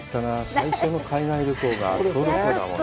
最初の海外旅行がトルコだもんな。